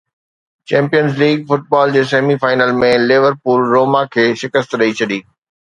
champions league football جي semi final ۾ Liverpool Roma کي شڪست ڏئي ڇڏي